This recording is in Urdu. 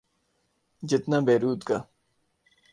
جتنا بیروت کا۔